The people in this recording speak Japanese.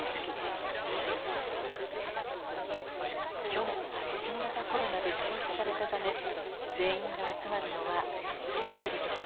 去年は新型コロナで中止されたため全員が集まるのは２年ぶりです。